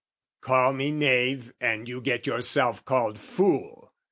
"Call me knave and you get yourself called fool!